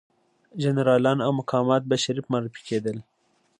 جنرالان او مقامات به شریف معرفي کېدل.